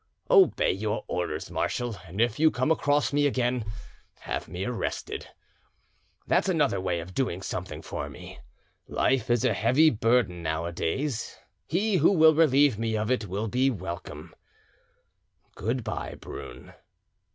Obey your orders, marshal, and if you come across me again, have me arrested. That's another way of doing something for me. Life is a heavy burden nowadays. He who will relieve me of it will be welcome.... Good bye, Brune."